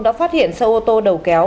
đã phát hiện sâu ô tô đầu kéo